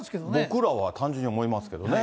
僕らは、単純に思いますけどね。